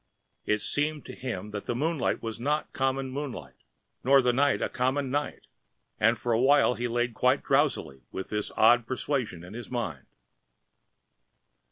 It seemed to him the moonlight was not common moonlight, nor the night a common night, and for a while he lay quite drowsily with this odd persuasion in his mind.